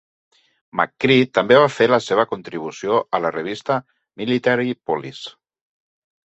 McCree també va fer la seva contribució a la revista "Military Police".